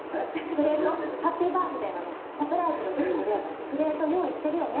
プレートハッピーバースデーのサプライズで出てくるプレート用意してるよね？